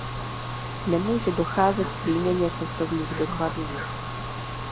Nemůže docházet k výměně cestovních dokladů.